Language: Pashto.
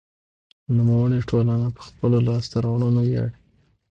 نوموړې ټولنه په خپلو لاسته راوړنو ویاړي.